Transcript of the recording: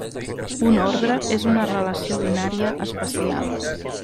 Un ordre és una relació binària especial.